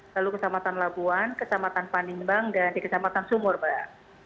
lalu kecamatan labuan kecamatan panimbang dan di kecamatan sumur mbak